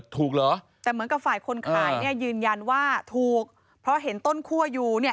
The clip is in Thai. เหรอแต่เหมือนกับฝ่ายคนขายเนี่ยยืนยันว่าถูกเพราะเห็นต้นคั่วอยู่เนี่ย